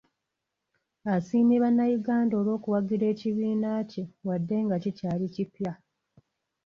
Asiimye bannayuganda olw'okuwagira ekibiina kye wadde nga kikyali kipya